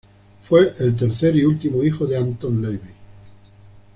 Fue el tercer y último hijo de Anton LaVey.